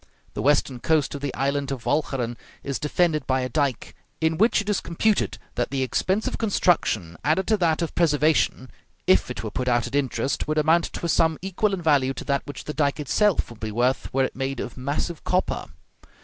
The western coast of the island of Walcheren is defended by a dike, in which it is computed that the expense of construction added to that of preservation, if it were put out at interest, would amount to a sum equal in value to that which the dike itself would be worth were it made of massive copper.